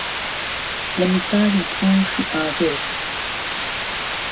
له میسالی پووش و ئاگر